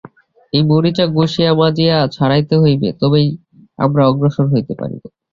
এই মরিচা ঘষিয়া মাজিয়া ছাড়াইতে হইবে, তবেই আমরা অগ্রসর হইতে পারিব।